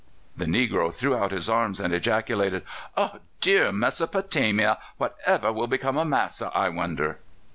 The negro threw out his arms and ejaculated: "Oh! dear Mesopotamia! Whatever will become of massa, I wonder?"